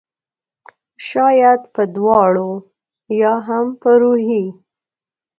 شاید په دواړو ؟ یا هم په روحي